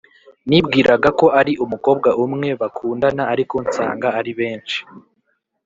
nibwiraga ko ari umukobwa umwe bakundana ariko nsanga ari benshi